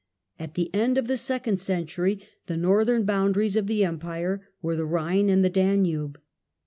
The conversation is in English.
At the end of the second century the northern boundaries of the Empire were the Rhine and the Danube.